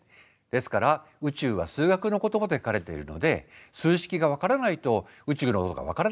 ですから宇宙は数学の言葉で書かれているので数式が分からないと宇宙のことが分からないんだ。